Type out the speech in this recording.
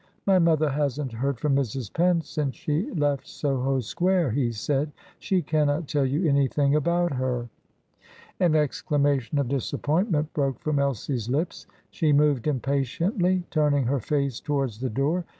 "My mother hasn't heard from Mrs. Penn since she left Soho Square," he said. "She cannot tell you anything about her." An exclamation of disappointment broke from Elsie's lips; she moved impatiently, turning her face towards the door.